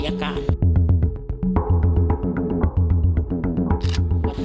มีความรู้สึกว่ามีความรู้สึกว่า